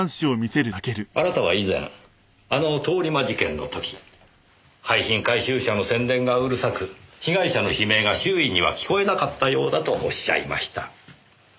あなたは以前あの通り魔事件の時廃品回収車の宣伝がうるさく被害者の悲鳴が周囲には聞こえなかったようだとおっしゃいました。